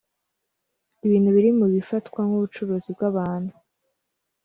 ibintu biri mu bifatwa nk’ubucuruzi bw’abantu